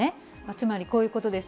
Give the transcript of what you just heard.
つまりこういうことです。